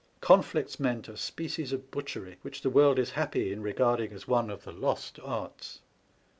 Conflicts meant a species of butchery which the world is happy in regarding as one of the lost arts.